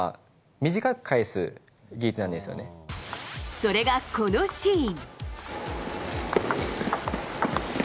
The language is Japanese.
それが、このシーン。